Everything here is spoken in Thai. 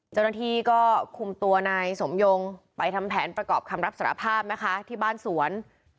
เจ้าหน้าที่ก็คุมตัวนายสมยงไปทำแผนประกอบคำรับสารภาพนะคะที่บ้านสวน